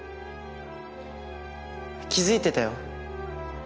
気づいてたよ